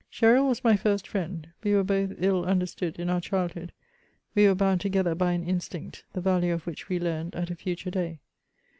Gesnl was my first friend : we were hoth ill miderstood in our childhood ; we were hound together by an instinct, the value of which we learned at a future day.